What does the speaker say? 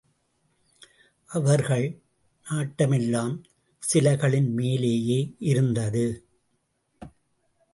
அவர்கள் நாட்டமெல்லாம் சிலைகளின் மேலேயே இருந்தது.